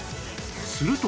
すると